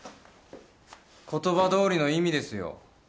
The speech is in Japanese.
言葉どおりの意味ですよ。